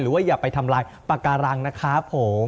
หรือว่าอย่าไปทำลายปลาการังนะครับ